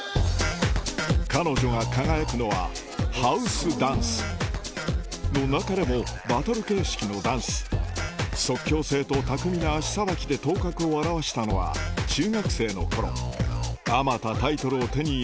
彼女が輝くのはハウスダンスの中でもバトル形式のダンス即興性と巧みな足さばきで頭角を現したのは中学生の頃あまたタイトルを手に入れ